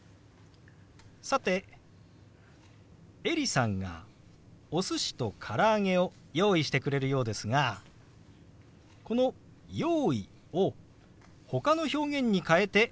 さてエリさんがお寿司と唐揚げを用意してくれるようですがこの「用意」をほかの表現に代えてもっと具体的に表すこともできますよ。